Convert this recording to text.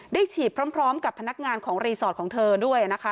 ฉีดพร้อมกับพนักงานของรีสอร์ทของเธอด้วยนะคะ